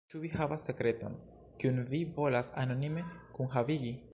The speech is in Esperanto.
Ĉu vi havas sekreton, kiun vi volas anonime kunhavigi?